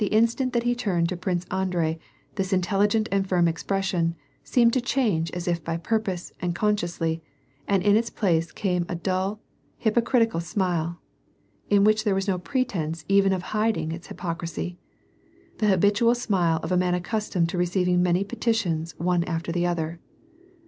instant that he turned to Prince Andrei, this intelligent and firm expression seemed to change as if by purpose and consciously, and in its place came a dull, hypocritical smile, in which there was no pretence even of hiding its hypocrisy, — the habitual smile of a man accustomed to receiving many petitioners one after the other.